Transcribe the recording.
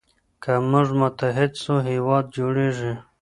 که موږ متحد سو هیواد جوړیږي.